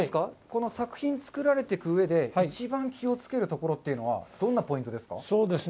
この作品作られていく上で一番気をつけるところというのはどんなポイントですか？